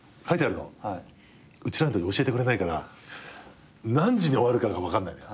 うちらのとき教えてくれないから何時に終わるかが分かんないのよ。